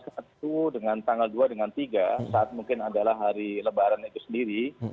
satu dengan tanggal dua dengan tiga saat mungkin adalah hari lebaran itu sendiri